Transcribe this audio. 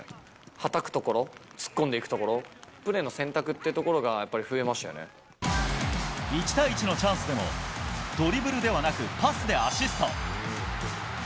はたくところ、突っ込んでいくところ、プレーの選択っていうとこ１対１のチャンスでも、ドリブルではなく、パスでアシスト。